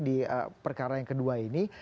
di perkara yang kedua ini